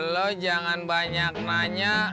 lo jangan banyak nanya